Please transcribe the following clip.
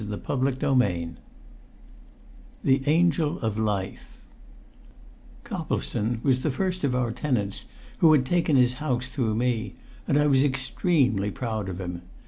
CHAPTER V The Angel of Life Coplestone was the first of our tenants who had taken his house through me, and I was extremely proud of him.